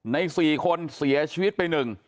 ใน๔คนเสียชีวิตไป๑